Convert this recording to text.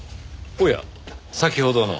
おや先ほどの。